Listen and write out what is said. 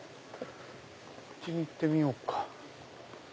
こっちに行ってみようか。